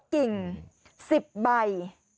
กิ่ง๑๐ใบ